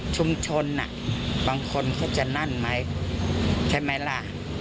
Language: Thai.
ชุมชนบางคนเขาจะนั่นไหมใช่ไหมล่ะ